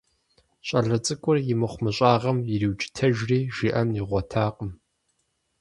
ЩӀалэ цӀыкӀур и мыхъумыщӀагъэм ириукӀытэжри, жиӀэн игъуэтакъым.